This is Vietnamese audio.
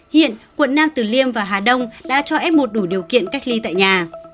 hiện quận nam tử liêm và hà đông đã cho f một đủ điều kiện cách ly tại nhà